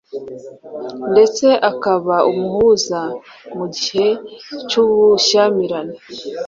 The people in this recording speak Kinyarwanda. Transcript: ndetse akaba umuhuza mu gihe cy'ubushyamirane